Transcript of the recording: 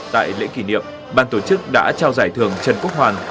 tại lễ kỷ niệm ban tổ chức đã trao giải thưởng trần quốc hoàn